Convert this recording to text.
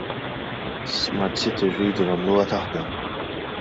SmartCity rridu nagħmluha taħdem.